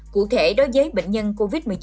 cụ thể đối với bệnh nhân covid một mươi chín